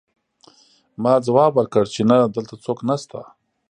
ما ځواب ورکړ چې نه دلته څوک نشته